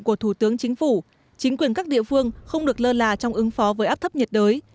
của thủ tướng chính phủ chính quyền các địa phương không được lơ là trong ứng phó với áp thấp nhiệt đới